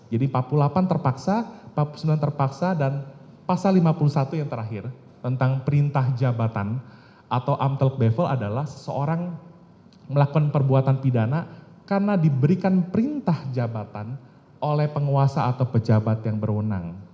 jadi empat puluh delapan terpaksa empat puluh sembilan terpaksa dan pasal lima puluh satu yang terakhir tentang perintah jabatan atau amtelk bevel adalah seseorang melakukan perbuatan pidana karena diberikan perintah jabatan oleh penguasa atau pejabat yang berwenang